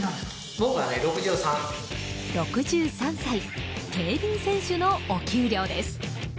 ６３歳、競輪選手のお給料です。